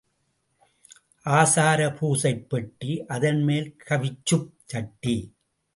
ஆசாரப் பூசைப்பெட்டி அதன்மேல் கவிச்சுச் சட்டி.